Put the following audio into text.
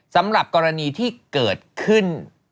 สำหรับกรณีที่เกิดขึ้น